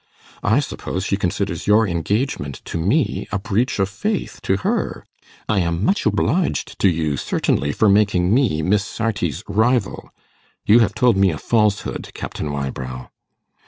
I suppose she considers your engagement to me a breach of faith to her. I am much obliged to you, certainly, for making me Miss Sarti's rival. You have told me a falsehood, Captain Wybrow.